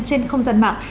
trên không gian mạng